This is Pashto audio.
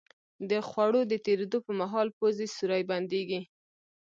د خوړو د تېرېدو په مهال پوزې سوری بندېږي.